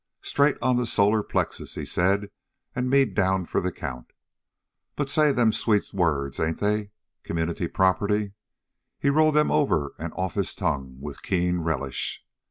"Straight on the solar plexus," he said, "an' me down for the count. But say, them's sweet words, ain't they community property." He rolled them over and off his tongue with keen relish.